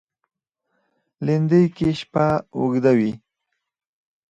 لېندۍ کې شپه اوږده وي.